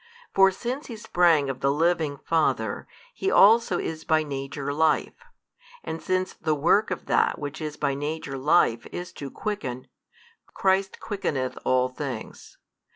For since He sprang of the Living Father, He also is by Nature Life, and since the work of that which is by Nature Life is to quicken, Christ quickeneth all things.